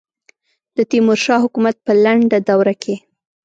د تیمور شاه حکومت په لنډه دوره کې.